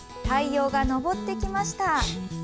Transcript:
太陽が昇ってきました。